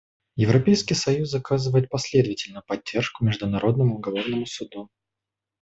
Европейский союз оказывает последовательную поддержку Международному уголовному суду.